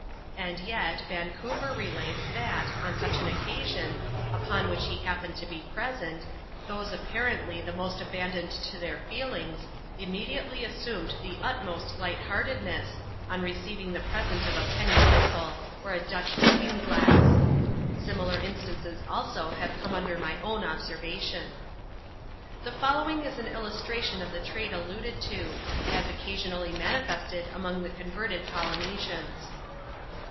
And yet, Vancouver relates, that, on such an occasion, upon which he happened to be present, those apparently the most abandoned to their feelings, immediately assumed the utmost light heartedness, on receiving the present of a penny whistle, or a Dutch looking glass. Similar instances, also, have come under my own observation. The following is an illustration of the trait alluded to, as occasionally manifested among the converted Polynesians.